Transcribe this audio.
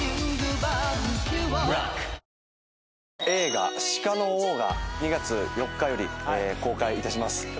映画『鹿の王』が２月４日より公開いたします。